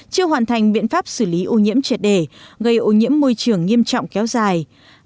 chưa hoàn thành biện pháp xử lý ô nhiễm triệt đề gây ô nhiễm môi trường nghiêm trọng kéo dài